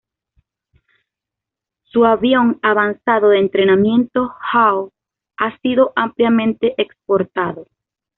Su avión avanzado de entrenamiento Hawk ha sido ampliamente exportado.